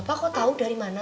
bapak kamu mau beli bayam